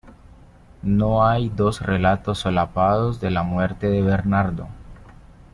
No hay dos relatos solapados de la muerte de Bernardo.